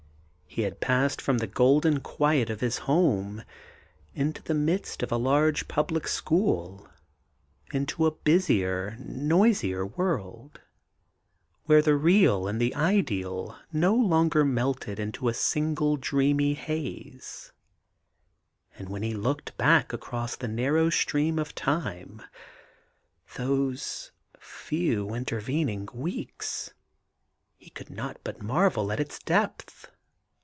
He had passed from the golden quiet of his home into the midst of a large public school, into a busier, noisier world, where the real and the ideal no longer melted into a single dreamy haze; and when he looked back across the narrow stream of time — those few intervening weeks 1 — ^he could not but marvel at its depth.